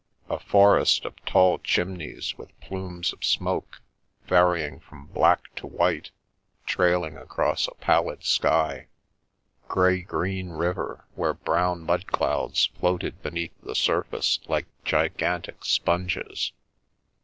A forest of tall chimneys with plumes of smoke, varying from black to white, trailing across a pallid sky. Grey green river, where brown mud clouds floated beneath the surface like gigantic sponges.